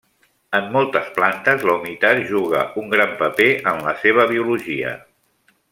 En moltes plantes la humitat juga un gran paper en la seva biologia.